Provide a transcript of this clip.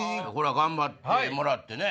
頑張ってもらってね